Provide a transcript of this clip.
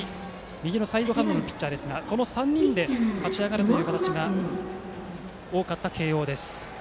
右のサイドハンドのピッチャーですがこの３人で勝ち上がる形が多かった慶応です。